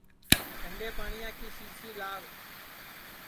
ٹھنڈے پاٹؔیا کی سی سی لاو